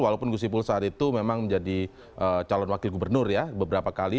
walaupun gus ipul saat itu memang menjadi calon wakil gubernur ya beberapa kali